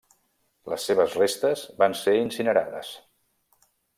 Les seves restes van ser incinerades.